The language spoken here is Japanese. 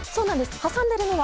挟んでいるのは？